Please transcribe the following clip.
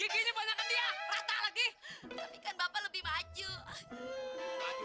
gini banyaknya rata lagi lebih maju